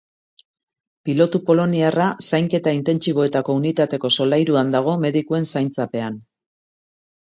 Pilotu poloniarra zainketa intentsiboetako unitateko solairuan dago medikuen zaintzapean.